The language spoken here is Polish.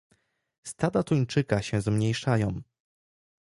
Stada tuńczyka się zmniejszają